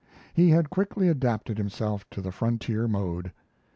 He had quickly adapted himself to the frontier mode.